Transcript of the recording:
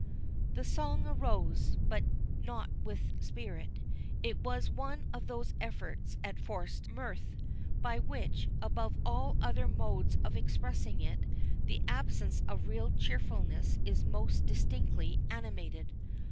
'" The song arose, but not with spirit. It was one of those efforts at forced mirth, by which, above all other modes of expressing it, the absence of real cheerfulness is most distinctly animated.